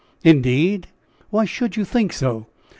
"Indeed! why should you think so?"